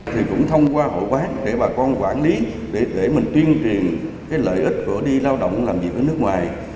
thì cũng thông qua hội quán để bà con quản lý để mình tuyên truyền cái lợi ích của đi lao động làm việc ở nước ngoài